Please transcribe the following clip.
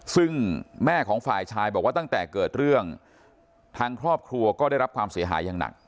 ซึ่งแม่ของฝ่ายชายบอกว่าตั้งแต่เกิดเรื่องทางครอบครัวก็ได้รับความเสียหายอย่างหนัก